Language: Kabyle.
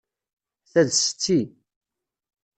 Ta d setti.